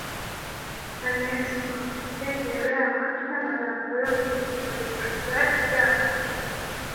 Onesimo yategeye amatwi amagambo y’ubugingo yicuza ibyaha bye